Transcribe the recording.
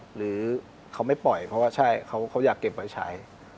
หรือเขาไม่ปล่อยเพราะว่าใช่เขาอยากเก็บไว้ใช้